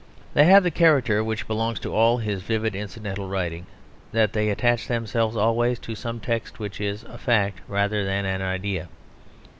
They have the character which belongs to all his vivid incidental writing: that they attach themselves always to some text which is a fact rather than an idea.